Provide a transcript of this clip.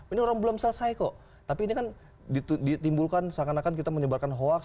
ini orang belum selesai kok tapi ini kan ditimbulkan seakan akan kita menyebarkan hoax